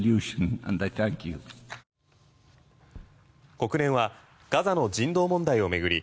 国連はガザの人道問題を巡り